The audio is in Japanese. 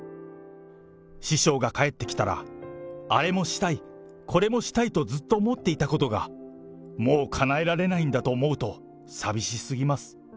師匠が帰ってきたら、あれもしたい、これもしたいとずっと思っていたことが、もうかなえられないんだと思うと寂しすぎます。